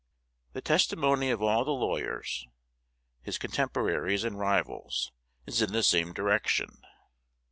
'" The testimony of all the lawyers, his contemporaries and rivals, is in the same direction.